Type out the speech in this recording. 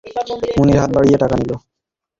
মুনির হাত বাড়িয়ে টাকা নিল।